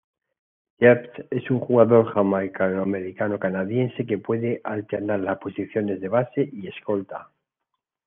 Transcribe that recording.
Jabs es un jugador jamaicano-canadiense que puede alternar las posiciones de base y escolta.